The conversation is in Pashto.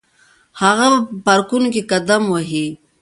هغه به په پارکونو کې قدم وهي.